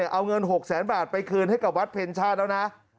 เอาเงิน๖แสนบาทไปคืนให้กับวัดเพ็ญชาติแล้วนะ